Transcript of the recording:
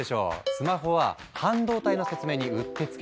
スマホは半導体の説明にうってつけなのよ。